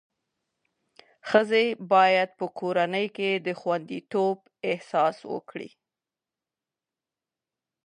ښځې باید په کورنۍ کې د خوندیتوب احساس وکړي.